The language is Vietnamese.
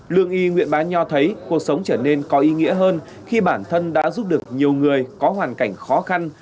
lương y nguyện bán nho thấy cuộc sống trở nên có ý nghĩa hơn khi bản thân đã giúp được nhiều người có hoàn cảnh khó khăn